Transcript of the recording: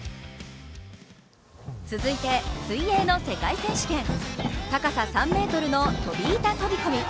続いて水泳の世界選手権、高さ３ｍの飛び板飛び込み。